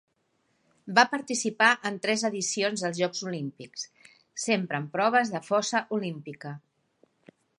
Va participar en tres edicions dels Jocs Olímpics, sempre en proves de fossa olímpica.